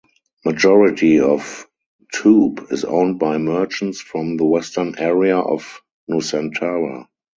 Majority of toop is owned by merchants from the western area of Nusantara.